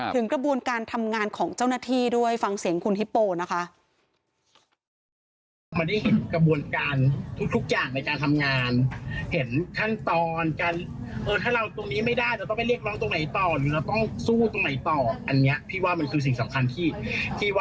ถึงกระบวนการทำงานของเจ้าหน้าที่ด้วยฟังเสียงคุณฮิปโปนะคะ